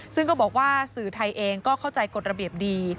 ซึ่งก็บอกว่าสื่อไทยเองก็เข้าใจกฎระเบียบดี